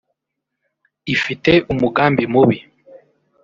Ifite umugambi mubi